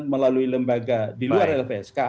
melalui lembaga di luar lpsk